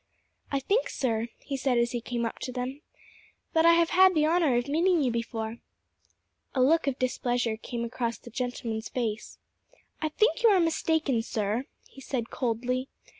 "I think, sir," he said as he came up to them, "that I have had the honour of meeting you before." A look of displeasure came across the gentleman's face. "I think you are mistaken, sir," he said coldly.